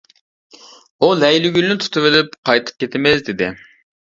ئۇ لەيلىگۈلنى تۇتۇۋېلىپ قايتىپ كېتىمىز دېدى.